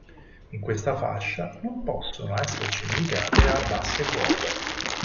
In questa fascia non possono esserci nevicate a basse quote.